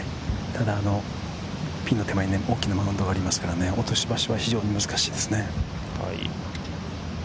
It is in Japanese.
ただ、ピンの手前に大きなマウンドがありますので、落としどころは難しいですね。